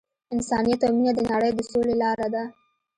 انسانیت او مینه د نړۍ د سولې لاره ده.